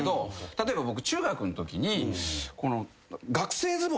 例えば僕中学のときに。